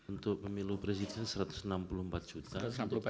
untuk pemilu presiden satu ratus enam puluh empat juta